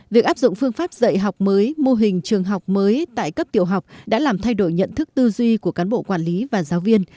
việc áp dụng phương pháp dạy học mới mô hình trường học mới tại cấp tiểu học đã làm thay đổi nhận thức tư duy của cán bộ quản lý và giáo viên